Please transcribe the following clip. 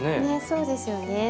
そうですよね。